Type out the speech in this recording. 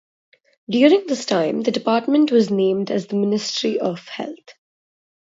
During this time the department was renamed as the "Ministry of Health".